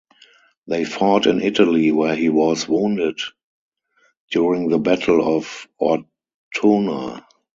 They fought in Italy where he was wounded during the Battle of Ortona.